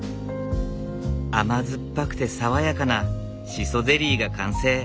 甘酸っぱくて爽やかなシソゼリーが完成。